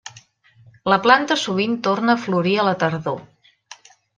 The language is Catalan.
La planta sovint torna a florir a la tardor.